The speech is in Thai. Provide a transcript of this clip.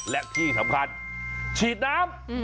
และที่สำคัญฉีดน้ำ